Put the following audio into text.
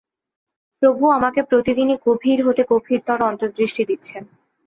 প্রভু আমাকে প্রতিদিনই গভীর হতে গভীরতর অন্তর্দৃষ্টি দিচ্ছেন।